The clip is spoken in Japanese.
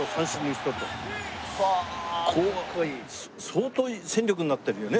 相当戦力になってるよね。